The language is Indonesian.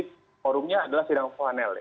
forumnya adalah sidang panel